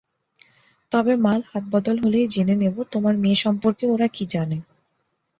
তবে মাল হাতবদল হলেই জেনে নেবো তোমার মেয়ে সম্পর্কে ওরা কী জানে।